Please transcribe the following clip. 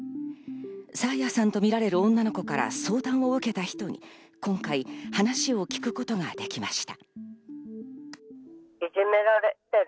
爽彩さんとみられる女の子から相談を受けた人に今回、話を聞くことができました。